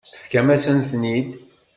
Tefkamt-asent-ten-id.